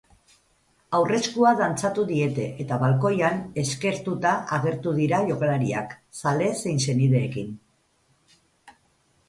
Aurreskua dantzatu diete eta balkoian eskertuta agertu dira jokalariak, zale zein senideekin.